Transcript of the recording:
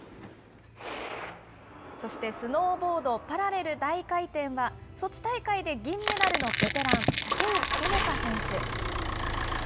そしてスノーボードパラレル大回転は、ソチ大会で銀メダルのベテラン、竹内智香選手。